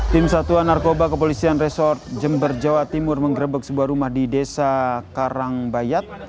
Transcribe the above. tim satuan narkoba kepolisian resort jember jawa timur mengerebek sebuah rumah di desa karangbayat